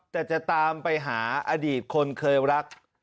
แต่จะตามไปหาอดีตคนเคยรัก